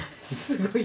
すごい。